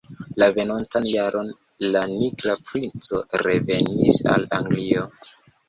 La venontan jaron, la Nigra Princo revenis al Anglio.